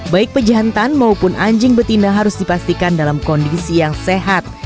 baik pejantan maupun anjing betina harus dipastikan dalam kondisi yang sehat